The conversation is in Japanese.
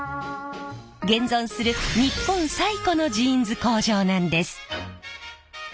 現存する日本最古のジーンズ工場なんです。